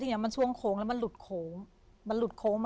ถามว่าคุณเห็นไหมคุณก็เห็นนะ